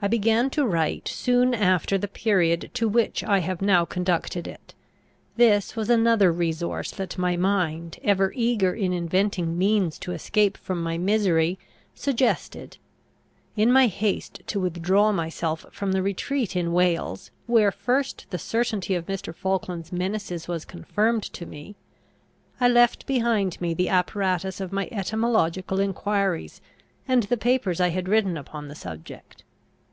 I began to write soon after the period to which I have now conducted it. This was another resource that my mind, ever eager in inventing means to escape from my misery, suggested. In my haste to withdraw myself from the retreat in Wales, where first the certainty of Mr. Falkland's menaces was confirmed to me, I left behind me the apparatus of my etymological enquiries, and the papers I had written upon the subject.